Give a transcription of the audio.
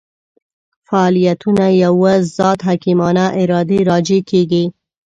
فاعلیتونه یوه ذات حکیمانه ارادې راجع کېږي.